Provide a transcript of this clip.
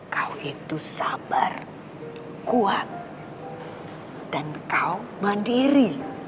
kau itu sabar kuat dan kau mandiri